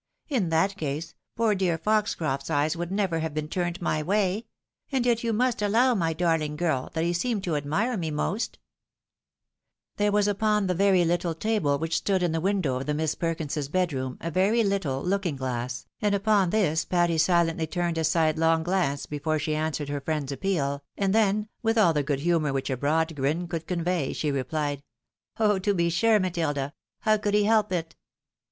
In that case, poor dear Foxoroft's eyes would never have been turned my way; and yet you must allow, my darhng girl, that he seemed to admire me most ?" There was upon the very little table which stood in the window of the Miss Perkinses' bed room a very little looking glass, and upon this Patty silently turned a sidelong glance before she answered her friend's appeal, and then, with all the good humour which a broad grin could convey, she rephed, " Oh ! to be sure, Matilda. How could he help it